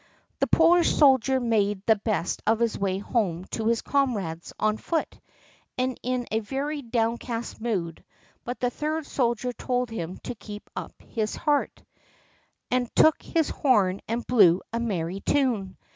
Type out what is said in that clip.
The poor soldier made the best of his way home to his comrades on foot, and in a very downcast mood; but the third soldier told him to keep up his heart, and took his horn and blew a merry tune.